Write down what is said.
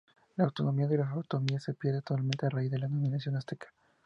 La autonomía de lo otomíes se pierde totalmente a raíz de la dominación azteca.